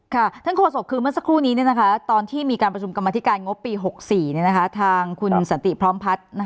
ท่านโฆษกคือเมื่อสักครู่นี้ตอนที่มีการประชุมกรรมธิการงบปี๖๔ทางคุณสันติพร้อมพัฒน์